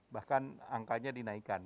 bahkan angkanya dinaikkan